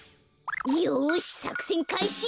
よしさくせんかいし。